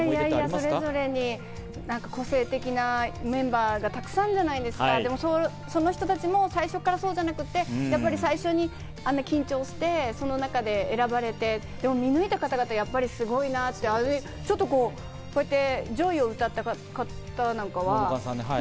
それぞれに個性的なメンバーがたくさんじゃないですか、そんな人たちも最初からそうじゃなくて、やっぱり最初にあんな緊張して、その中で選ばれて、見抜いた方々がすごいなと思って。